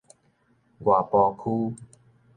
外埔區